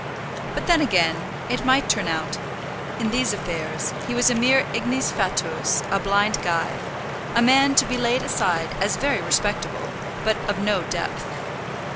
But then again, it might turn out that, in these affairs, he was a mere ignis fatuus, a blind guide, a man to be laid aside as very respectable, but of no depth.